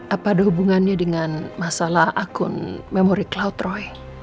apa ada hubungannya dengan masalah akun memori cloud roy